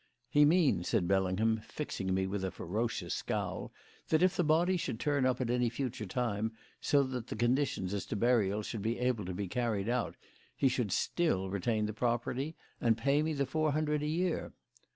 "He means," said Bellingham, fixing me with a ferocious scowl, "that if the body should turn up at any future time, so that the conditions as to burial should be able to be carried out, he should still retain the property and pay me the four hundred a year."